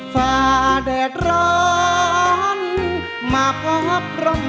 ฝ่าเด็ดรั้วด้วยความเชื่อด้วยความฝัน